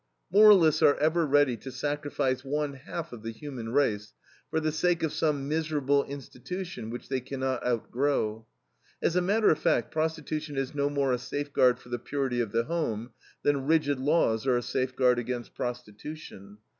Moralists are ever ready to sacrifice one half of the human race for the sake of some miserable institution which they can not outgrow. As a matter of fact, prostitution is no more a safeguard for the purity of the home than rigid laws are a safeguard against prostitution.